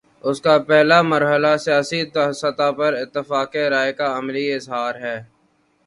اس کا پہلا مرحلہ سیاسی سطح پر اتفاق رائے کا عملی اظہار ہے۔